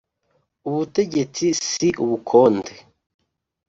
Ubutegetsi si ubukonde.